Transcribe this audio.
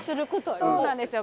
そうなんですよ